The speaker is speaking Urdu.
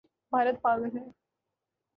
بھارت پاگل ہے